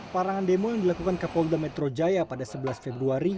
parangan demo yang dilakukan kapolda metro jaya pada sebelas februari